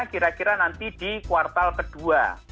kira kira nanti di kuartal kedua